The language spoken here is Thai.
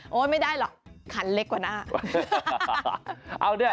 ไม่ได้หรอกขันเล็กกว่าหน้า